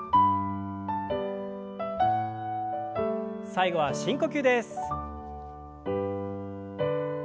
最後は深呼吸です。